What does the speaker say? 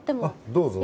どうぞ。